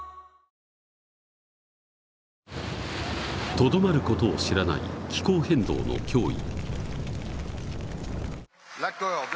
とどまる事を知らない気候変動の脅威。